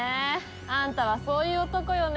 あんたはそういう男よね。